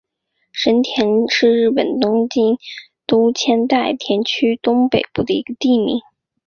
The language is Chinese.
神田是日本东京都千代田区东北部的一个地名。